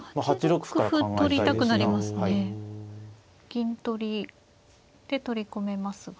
銀取りで取り込めますが。